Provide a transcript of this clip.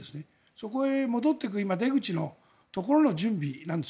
そこへ戻っていく出口のところの準備なんです。